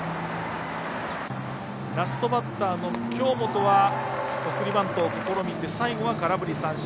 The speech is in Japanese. ラストバッターの京本は送りバントを試みて最後は空振り三振。